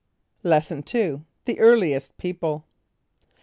= Lesson II. The Earliest People.